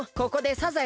サザエ！